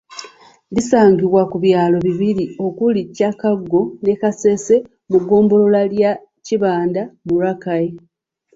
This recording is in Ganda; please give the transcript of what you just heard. Lisangibwa ku byalo bibiri okuli Kyakago ne Kasese mu ggombolola y'e Kibanda mu Rakai